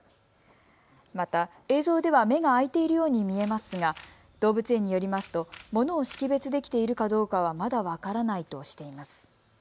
また映像では目が開いているように見えますが動物園によりますとものを識別できているかどうかはまだ分からないとしています。